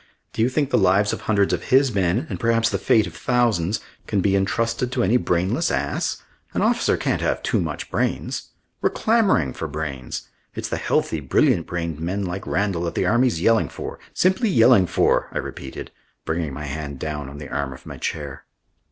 Do you think the lives of hundreds of his men and perhaps the fate of thousands can be entrusted to any brainless ass? An officer can't have too much brains. We're clamouring for brains. It's the healthy, brilliant brained men like Randall that the Army's yelling for simply yelling for," I repeated, bringing my hand down on the arm of my chair.